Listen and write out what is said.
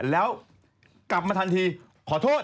แล้วกลับมาทันทีขอโทษ